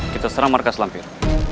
kita serang markas lampir